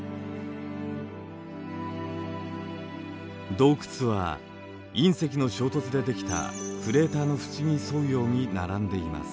洞窟は隕石の衝突でできたクレーターのふちに沿うように並んでいます。